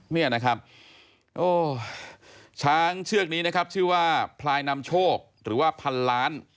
เนี่ยนะครับโอ้ช้างเชือกนี้นะครับชื่อว่าพลายนำโชคหรือว่าพันล้าน